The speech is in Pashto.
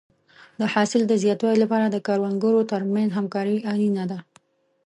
د حاصل د زیاتوالي لپاره د کروندګرو ترمنځ همکاري اړینه ده.